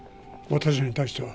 私に対しては。